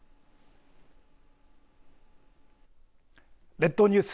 列島ニュース